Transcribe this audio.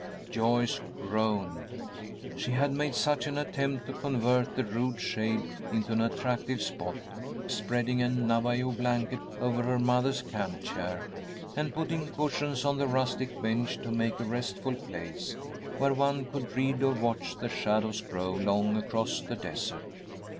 Joyce groaned. She had made such an attempt to convert the rude shade into an attractive spot, spreading a Navajo blanket over her mother's camp chair, and putting cushions on the rustic bench to make a restful place, where one could read or watch the shadows grow long across the desert.